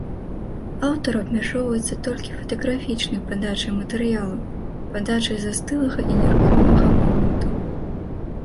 Аўтар абмяжоўваецца толькі фатаграфічнай падачай матэрыялу, падачай застылага і нерухомага моманту.